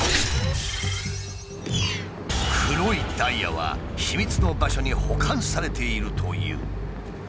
黒いダイヤは秘密の場所に保管されているという。